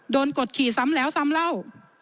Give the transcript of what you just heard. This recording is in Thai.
กดขี่ซ้ำแล้วซ้ำเล่า